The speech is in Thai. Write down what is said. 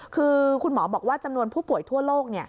คือคุณหมอบอกว่าจำนวนผู้ป่วยทั่วโลก